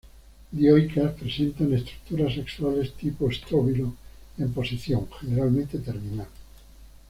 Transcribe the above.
Dioicas, presentan estructuras sexuales tipo estróbilo, en posición, generalmente, terminal.